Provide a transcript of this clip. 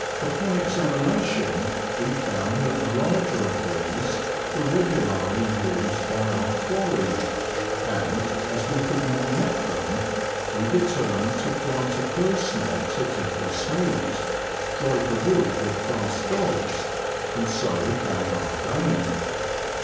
Upon examination we found that the larger of these were regularly used by our quarry, and, as we could not net them, we determined to plant a purse net at every smoot, drive the wood with fast dogs, and so bag our game.